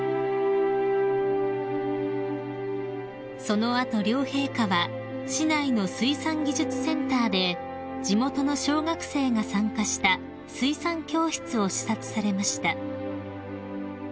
［その後両陛下は市内の水産技術センターで地元の小学生が参加した水産教室を視察されました］